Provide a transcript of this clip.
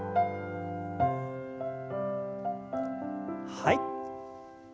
はい。